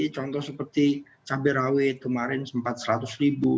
contoh seperti cabai rawit kemarin sempat seratus ribu